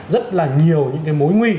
rất là nhiều những cái mối nguy